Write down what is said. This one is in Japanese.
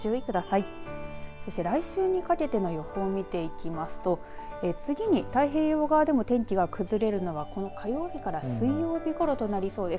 そして来週にかけての予報を見ていきますと次に太平洋側でも天気が崩れるのは火曜日から水曜日ごろとなりそうです。